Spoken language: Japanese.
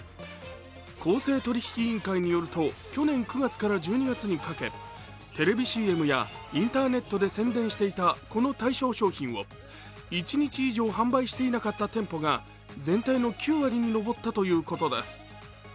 公正取引委員会によると去年９月から１２月にかけテレビＣＭやインターネットで宣伝していた、この対象商品を一日以上販売していなかった店舗が全体の９割に上ったということです。